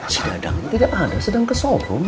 si dadang tidak ada sedang ke showroom